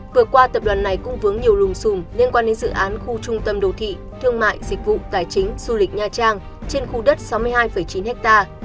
vừa qua tập đoàn này cũng vướng nhiều lùm xùm liên quan đến dự án khu trung tâm đồ thị thương mại dịch vụ tài chính du lịch nha trang trên khu đất sáu mươi hai chín ha